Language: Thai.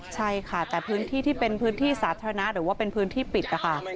ใช่ค่ะแต่พื้นที่ที่เป็นพื้นที่สาธารณะหรือว่าเป็นพื้นที่ปิดนะคะ